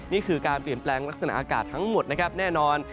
นี่คือการเปลี่ยนแปลงลักษณะอากาศทั้งหมดนะครับแน่นอน